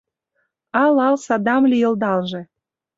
Ал ал садам лийылдалже!